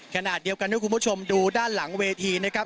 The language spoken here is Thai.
ขณะเดียวกันให้คุณผู้ชมดูด้านหลังเวทีนะครับ